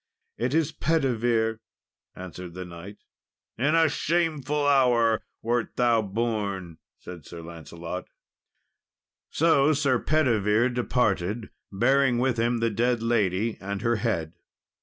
"It is Pedivere," answered the knight. "In a shameful hour wert thou born," said Sir Lancelot. So Sir Pedivere departed, bearing with him the dead lady and her head.